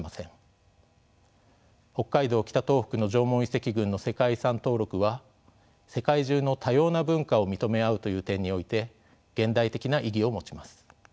北海道・北東北の縄文遺跡群の世界遺産登録は世界中の多様な文化を認め合うという点において現代的な意義を持ちます。